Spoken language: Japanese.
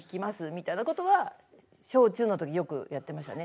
みたいなことは小中の時によくやってましたね。